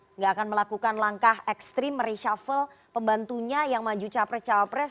tidak akan melakukan langkah ekstrim mereshuffle pembantunya yang maju capres cawapres